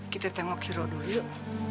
kita tengok si rodo dulu yuk